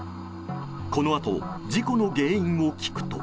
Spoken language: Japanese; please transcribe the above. このあと事故の原因を聞くと。